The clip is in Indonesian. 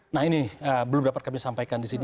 nah ini belum dapat kami sampaikan di sini